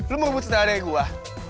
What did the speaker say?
lo mau rebut senadanya gue